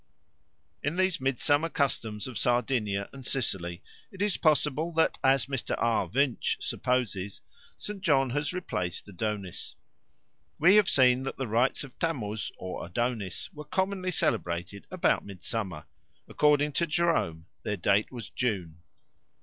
In these midsummer customs of Sardinia and Sicily it is possible that, as Mr. R. Wünsch supposes, St. John has replaced Adonis. We have seen that the rites of Tammuz or Adonis were commonly celebrated about midsummer; according to Jerome, their date was June.